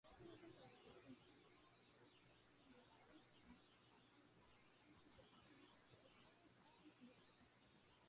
The mechanism of action of tricyclic secondary amine antidepressants is only partly understood.